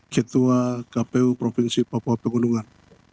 ketua kpu provinsi papua pegunungan